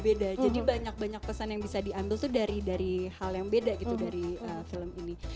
jadi banyak banyak pesan yang bisa diambil tuh dari hal yang beda gitu dari film ini